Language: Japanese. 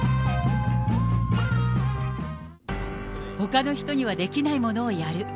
ほかの人にはできないものをやる。